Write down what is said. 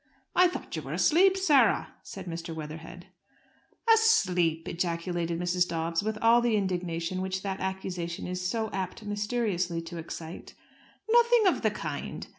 "I thought you were asleep, Sarah," said Mr. Weatherhead. "Asleep!" ejaculated Mrs. Dobbs, with all the indignation which that accusation is so apt mysteriously to excite. "Nothing of the kind!